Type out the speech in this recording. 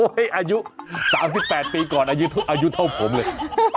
โอ้โฮเฮ้ยอายุ๓๘ปีก่อนอายุเท่าผมเลย